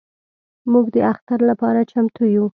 موږ د اختر لپاره چمتو یو.